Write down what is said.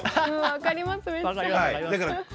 分かります。